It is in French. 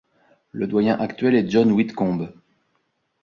Le doyen actuel est John Witcombe.